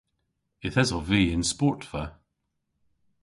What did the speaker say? Yth esov vy y'n sportva.